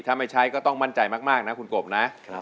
ถ้าไม่ใช้ก็ต้องมั่นใจมากนะคุณกบนะ